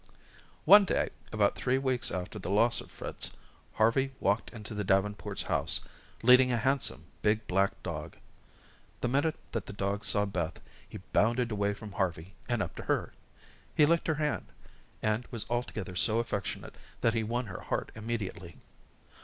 One day, about three weeks after the loss of Fritz, Harvey walked into the Davenports' house, leading a handsome, big black dog. The minute that the dog saw Beth, he bounded away from Harvey, and up to her. He licked her hand, and was altogether so affectionate that he won her heart immediately.